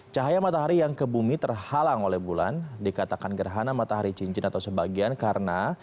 cahaya matahari yang ke bumi terhalang oleh bulan dikatakan gerhana matahari cincin atau sebagian karena